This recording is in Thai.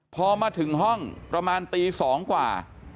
พอมาถึงห้องประมาณตี๒กว่า